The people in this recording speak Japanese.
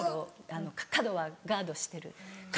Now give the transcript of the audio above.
あの角はガードしてる角。